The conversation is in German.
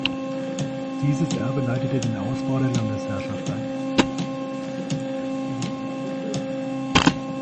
Dieses Erbe leitete den Ausbau der Landesherrschaft ein.